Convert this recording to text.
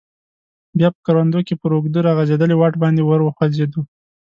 بیا په کروندو کې پر اوږده راغځیدلي واټ باندې ور وخوځیدو.